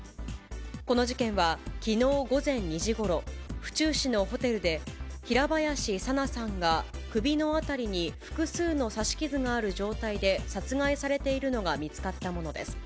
この事件は、きのう午前２時ごろ、府中市のホテルで、平林さなさんが首の辺りに複数の刺し傷がある状態で殺害されているのが見つかったものです。